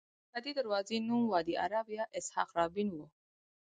د سرحدي دروازې نوم وادي عرب یا اسحاق رابین وو.